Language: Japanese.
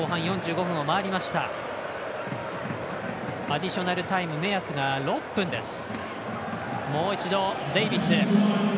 アディショナルタイム、目安が６分です。